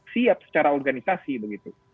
siap secara organisasi begitu